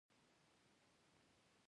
موږ مجاز نه یو چې همکاري وکړو.